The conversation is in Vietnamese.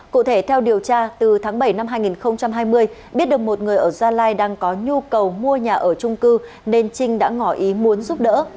cụ thể theo điều tra từ tháng bảy năm hai nghìn hai mươi biết được một người ở gia lai đang có nhu cầu mua nhà ở trung cư nên trinh đã ngỏ ý muốn giúp đỡ